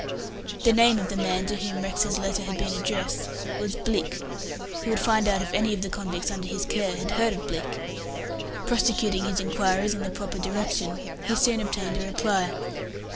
The name of the man to whom Rex's letters had been addressed was "Blicks". He would find out if any of the convicts under his care had heard of Blicks. Prosecuting his inquiries in the proper direction, he soon obtained a reply.